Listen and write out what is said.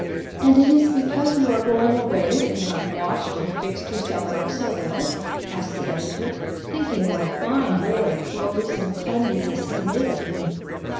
"And it is because you are going away that you have washed and fixed yourself up so well?" asked the editor, thinking what a fine boy clothes and cleanliness had made of him.